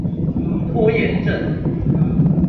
拖延症